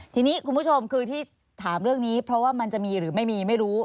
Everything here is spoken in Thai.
ทีนี้คุณผู้ชมคือที่ถามเรื่องนี้เพราะว่ามันจะมีหรือไม่มีไม่รู้